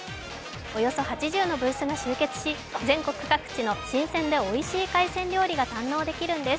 およそ８０のブースが集結し全国各地の新鮮でおいしい海鮮料理が堪能できるんです。